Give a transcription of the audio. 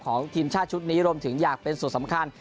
ทีมชาติชุดนี้รวมถึงอยากเป็นส่วนสำคัญ